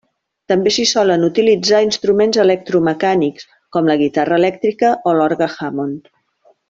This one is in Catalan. També s'hi solen utilitzar instruments electromecànics com la guitarra elèctrica o l'orgue Hammond.